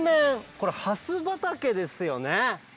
これはす畑ですよね。